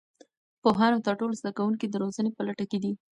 پوهانو ته ټول زده کوونکي د روزنې په لټه کې دي.